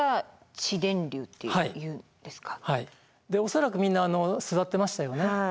恐らくみんな座ってましたよね。